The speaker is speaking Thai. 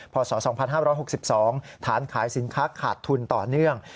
ศ๒๕๖๒ฐานขายสินค้าขาดทุนต่อเนื่อง